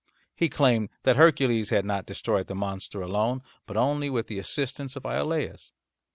He claimed that Hercules had not destroyed the monster alone, but only with the assistance of Iolaus.